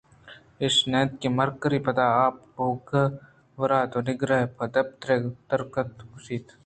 اِش نہ اِنت مِرکِریؔ ءَ پدا آپ ءَ بُکّ وارت ءُ نُگرہ ءِتپرے درکُت ءُ گوٛشت